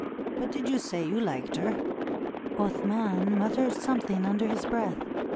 But did you say you liked her? " Athman muttered something under his breath.